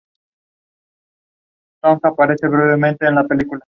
La actividad petrolera sigue siendo uno de los principales recursos de esta localidad.